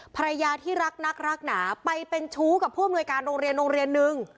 ภรรยาที่รักนักรักหนาไปเป็นชู้กับผู้อำนวยการโรงเรียนโรงเรียนนึง